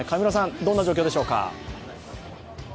どんな状況でしょうか？